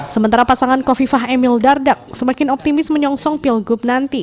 sementara pasangan kofifah emil dardak semakin optimis menyongsong pilgub nanti